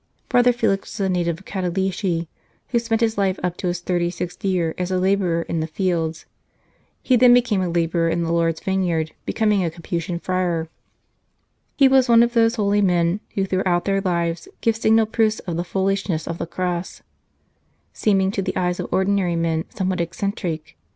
Brother Felix was a native of Cantalice, who spent his life up to his thirty sixth year as a labourer in the fields. He then became a labourer in the Lord s vineyard, becoming a Capuchin friar. He was one of those holy men who throughout their lives give signal proofs of the " foolishness 172 The Oblates of St. Ambrose of the Cross," seeming to the eyes of ordinary men somewhat eccentric.